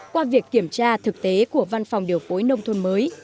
qua việc kiểm tra thực tế của văn phòng điều phối nông thôn mới